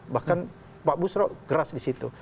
bahkan pak busro keras di situ